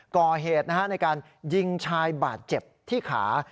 ก่อเหตุในการยิงชายบาดเจ็บที่ขา